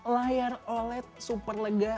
layar oled super lega